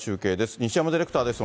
西山ディレクターです。